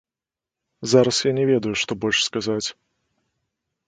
Зараз я не ведаю што больш сказаць.